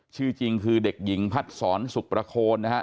ชื่อจริงคือเด็กหญิงพัดศรสุขประโคนนะครับ